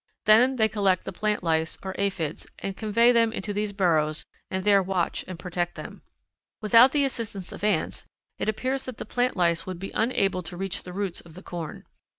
Then they collect the plant lice, or aphids, and convey them into these burrows and there watch and protect them. Without the assistance of ants, it appears that the plant lice would be unable to reach the roots of the corn.